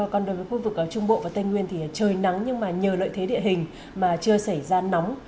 còn đối với khu vực trung bộ và tây nguyên thì trời nắng nhưng mà nhờ lợi thế địa hình mà chưa xảy ra nóng